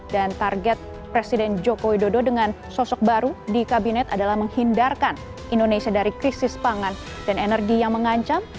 dan target presiden joko widodo dengan sosok baru di kabinet adalah menghindarkan indonesia dari krisis pangan dan energi yang mengancam